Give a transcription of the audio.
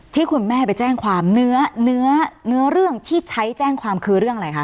ที่คุณแม่ไปแจ้งความเนื้อเนื้อเรื่องที่ใช้แจ้งความคือเรื่องอะไรคะ